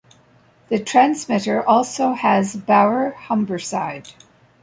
This transmitter also has Bauer Humberside.